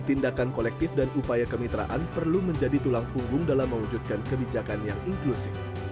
tindakan kolektif dan upaya kemitraan perlu menjadi tulang punggung dalam mewujudkan kebijakan yang inklusif